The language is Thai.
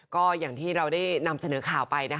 ก็อย่างที่เราได้นำเสนอข่าวไปนะคะ